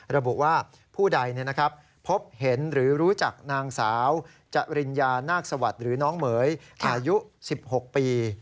ระบุว่าผู้ใดเนี่ยนะครับพบเห็นหรือรู้จักนางสาวจริญญานาคสวรรค์หรือน้องเหมือนอายุ๑๖ปี